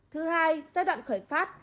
thứ hai giai đoạn khởi phát